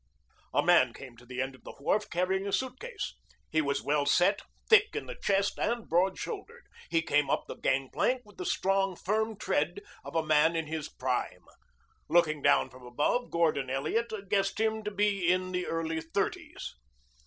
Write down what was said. A man came to the end of the wharf carrying a suitcase. He was well set, thick in the chest, and broad shouldered. He came up the gangplank with the strong, firm tread of a man in his prime. Looking down from above, Gordon Elliot guessed him to be in the early thirties.